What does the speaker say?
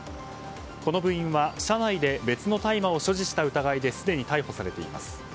この部員は別の大麻を所持した疑いですでに逮捕されています。